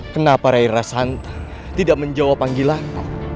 kenapa rai rarasanta tidak menjawab panggilanmu